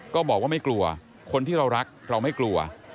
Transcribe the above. ก็บอกว่าไม่กลัวคนที่เรารักเราไม่กลัว